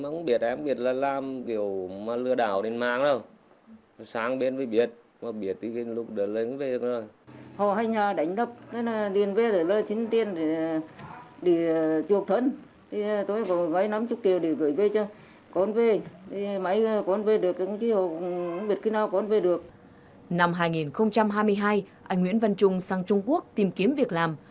năm hai nghìn hai mươi hai anh nguyễn văn trung sang trung quốc tìm kiếm việc làm